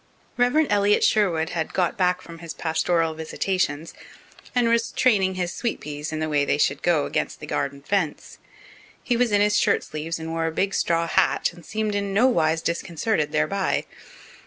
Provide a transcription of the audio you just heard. Rev. Elliott Sherwood had got back from his pastoral visitations, and was training his sweet peas in the way they should go against the garden fence. He was in his shirt sleeves and wore a big straw hat, and seemed in nowise disconcerted thereby.